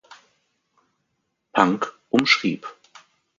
Punk umschrieb.